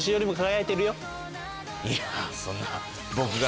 いやぁそんな。